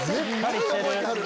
絶対覚えてはる。